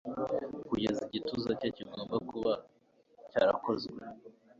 Kugeza igituza cye kigomba kuba cyarakozwe